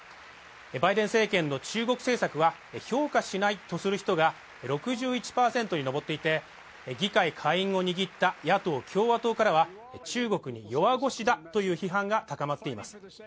バイデン政権の中国政策は評価しないとする人が６１％に上っていて議会下院を握った野党共和党からは中国に弱腰だという批判が高まっています